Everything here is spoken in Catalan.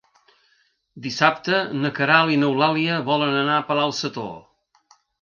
Dissabte na Queralt i n'Eulàlia volen anar a Palau-sator.